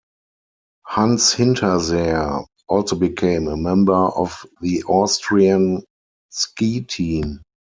Hans Hinterseer also became a member of the Austrian ski team.